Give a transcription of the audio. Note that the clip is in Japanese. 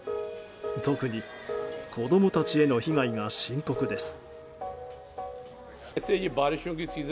特に、子供たちへの被害が深刻です。